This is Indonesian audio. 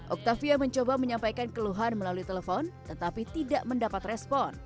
octavia mencoba menyampaikan keluhan melalui telepon tetapi tidak mendapat respon